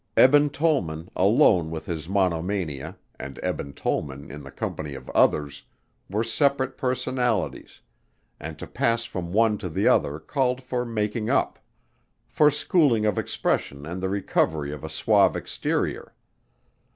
Eben Tollman alone with his monomania and Eben Tollman in the company of others were separate personalities and to pass from one to the other called for making up; for schooling of expression and the recovery of a suave exterior.